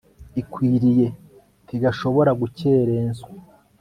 ikwiriye nti gashobora gukerenswa